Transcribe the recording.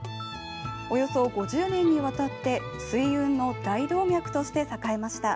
およそ５０年にわたって水運の大動脈として栄えました。